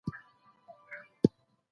سړي سر ګټه باید تل په پام کي ونیول سي.